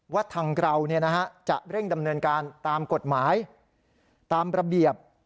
ว่าทางเราจะเร่งดำเนินการตามกฎหมาย